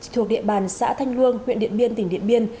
thuộc địa bàn xã thanh luông huyện điện biên tỉnh điện biên